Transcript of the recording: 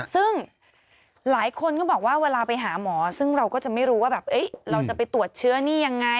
ซึ่งหลายคนก็บอกว่าเวลาไปหาหมอซึ่งเราก็จะไม่รู้ว่าแบบเราจะไปตรวจเชื้อนี่ยังไง